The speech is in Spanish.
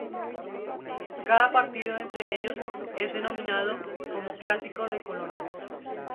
Cada partido entre ellos es denominado como "Clásico de colonias".